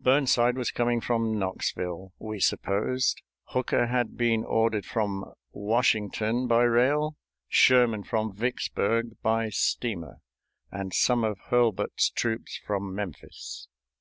Burnside was coming from Knoxville, we supposed, Hooker had been ordered from Washington by rail, Sherman from Vicksburg by steamer, and some of Hurlbut's troops from Memphis.